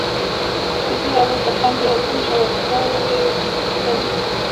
دوی د یو او بل تر څنګ دي او ځینې ژورتیاوې لري.